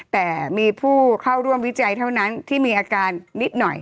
แต่มีผู้เข้าร่วมวิจัยเท่านั้นที่มีอาการนิดหน่อย